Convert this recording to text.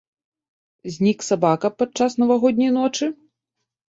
Знік сабака падчас навагодняй ночы?